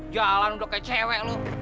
jalan udah kayak cewek lo